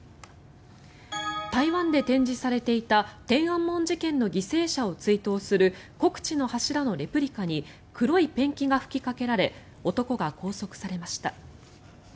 台湾で展示されていた天安門事件の犠牲者を追悼する国恥の柱のレプリカに黒いペンキが吹きかけられ男が拘束されました。